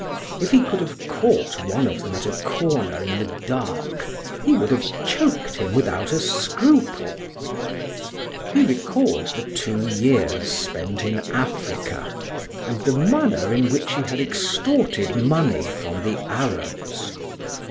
If he could have caught one of them at a corner in the dark he would have choked him without a scruple! He recalled the two years spent in Africa, and the manner in which he had extorted money from the Arabs.